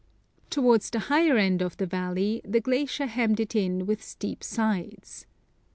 To wards the higher end of the valley, the glacier hemmed it in with steep sides.